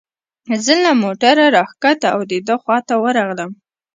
زه له موټره را کښته او د ده خواته ورغلم.